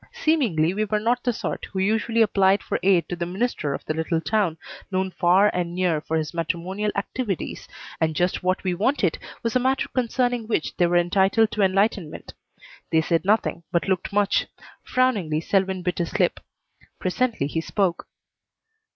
Seemingly we were not the sort who usually applied for aid to the minister of the little town, known far and near for his matrimonial activities, and just what we wanted was a matter concerning which they were entitled to enlightenment. They said nothing, but looked much. Frowningly, Selwyn bit his lip. Presently he spoke.